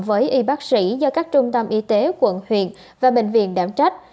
với y bác sĩ do các trung tâm y tế quận huyện và bệnh viện đảm trách